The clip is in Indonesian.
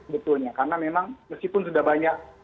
betulnya karena memang meskipun sudah banyak